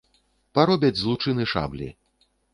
Паробяць з лучыны шаблі.